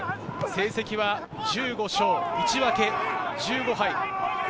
成績は１５勝１分け１５敗。